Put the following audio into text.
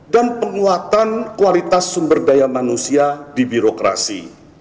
penguatan kualitas sumber daya manusia di birokrasi